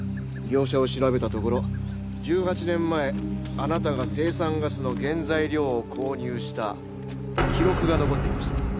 業者を調べたところ１８年前あなたが青酸ガスの原材料を購入した記録が残っていました。